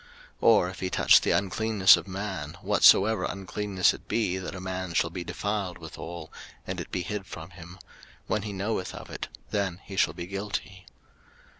03:005:003 Or if he touch the uncleanness of man, whatsoever uncleanness it be that a man shall be defiled withal, and it be hid from him; when he knoweth of it, then he shall be guilty.